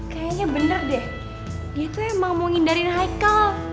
kayaknya benar deh dia tuh emang mau ngindarin haikal